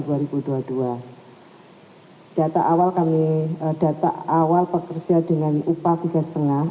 data awal pekerja dengan upah tiga lima